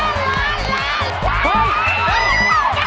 ล้านล้าน